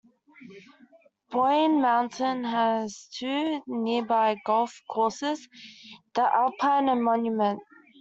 Boyne Mountain has two nearby golf courses: The Alpine and The Monument.